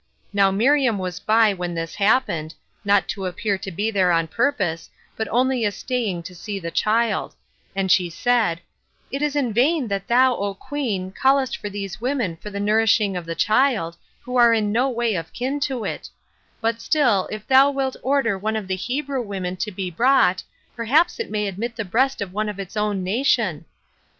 Now Miriam was by when this happened, not to appear to be there on purpose, but only as staying to see the child; and she said, "It is in vain that thou, O queen, callest for these women for the nourishing of the child, who are no way of kin to it; but still, if thou wilt order one of the Hebrew women to be brought, perhaps it may admit the breast of one of its own nation."